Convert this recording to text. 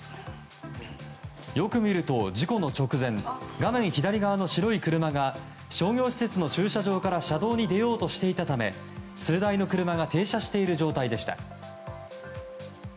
よく見ると、事故の直前画面左側の白い車が商業施設の駐車場から車道に出ようとしていたため数台の車が停車している状態でした。